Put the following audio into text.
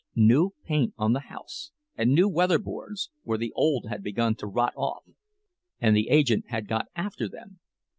New paint on the house, and new weatherboards, where the old had begun to rot off, and the agent had got after them!